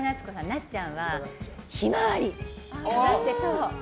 なっちゃんはヒマワリ飾ってそう！